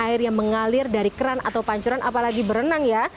air yang mengalir dari keran atau pancuran apalagi berenang ya